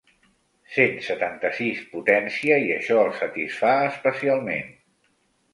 Cent setanta-sis potència i això el satisfà especialment.